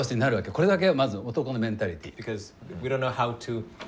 これだけはまず男のメンタリティー。